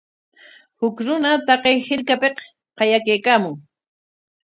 Huk runa taqay hirkapik qayakaykaamun.